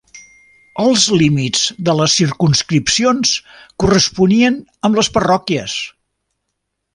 Els límits de les circumscripcions corresponien amb les parròquies.